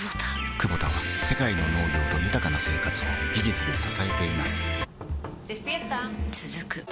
クボタは世界の農業と豊かな生活を技術で支えています起きて。